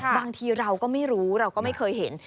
บางทีเราก็ไม่รู้เราก็ไม่เคยเห็น